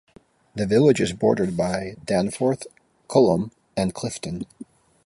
The village is bordered by Danforth, Cullom, and Clifton.